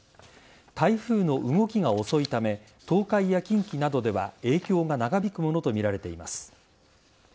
台風の動きが遅いため東海や近畿などでは影響が長引くものとみられています。